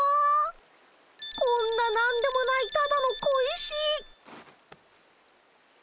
こんな何でもないただの小石。